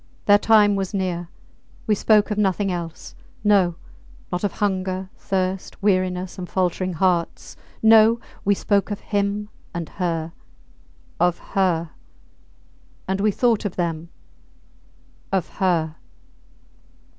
Their time was near. We spoke of nothing else. No! not of hunger, thirst, weariness, and faltering hearts. No! we spoke of him and her! Of her! And we thought of them of her!